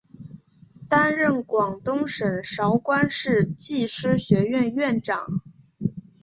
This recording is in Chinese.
担任广东省韶关市技师学院院长。